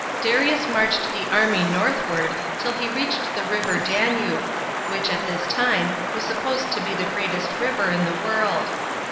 Darius marched the army northward till he reached the river Danube, which, at this time, was supposed to be the greatest river in the world.